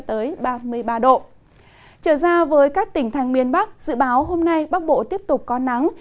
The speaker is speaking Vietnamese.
trở ra với các tỉnh thành miền bắc dự báo hôm nay bắc bộ tiếp tục có nắng